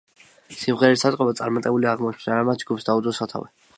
სიმღერის აწყობა წარმატებული აღმოჩნდა, რამაც ჯგუფს დაუდო სათავე.